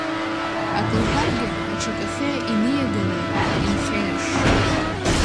Акы лҳәаргьы, аҽакахьы иниаганы, инхьаиршшон.